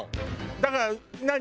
だから何？